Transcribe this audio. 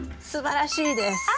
すばらしいです！